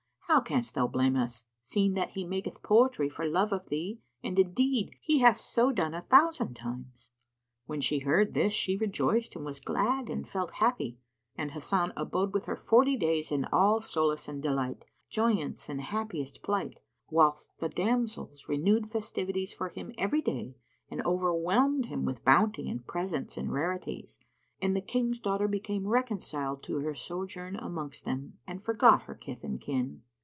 How canst thou blame us, seeing that he maketh poetry for love of thee and indeed he hath so done a thousand times."[FN#77] When she heard this she rejoiced and was glad and felt happy and Hasan abode with her forty[FN#78] days in all solace and delight, joyance and happiest plight, whilst the damsels renewed festivities for him every day and overwhelmed him with bounty and presents and rarities; and the King's daughter became reconciled to her sojourn amongst them and forgot her kith and kin.